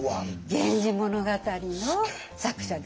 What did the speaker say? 「源氏物語」の作者です。